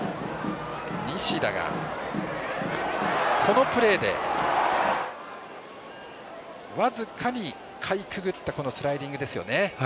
西田がこのプレーで僅かにかいくぐったスライディングですね。